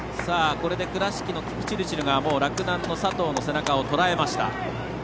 これで倉敷のキプチルチル洛南の佐藤の背中をとらえました。